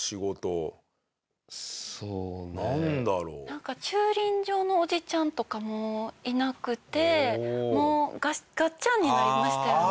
なんか駐輪場のおじちゃんとかもいなくてもうガッチャンになりましたよね。